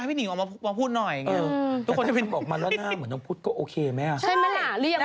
ใช่ไหมเหล่ามาแลอะเลี่ยวเตียงว่า